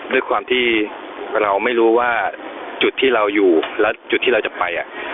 ด้วยความที่เราไม่รู้ว่าจุดที่เราอยู่และจุดที่เราจะไป